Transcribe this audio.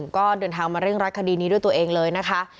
ก็เดินทางมาเร่งรัดคดีนี้ด้วยตัวเองเลยนะคะ